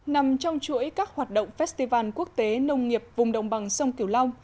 nằm trong chuỗi các hoạt động festival quốc tế nông nghiệp vùng đồng bằng sông kiều long